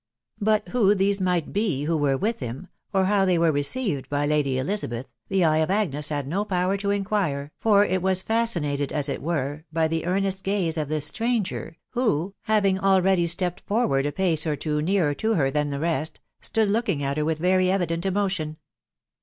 But who these might be who were with him, or how they were received by Lady Elizabeth, die eye of Agnes had no power t» inquire; for it was fascinated, as it were, by the h H 4 472 THE WIDOW BARNABY. earnest gaze of this stranger, who, having already stepped forward a pace or two nearer to her than the rest* stood look ing at her with very evident emotion.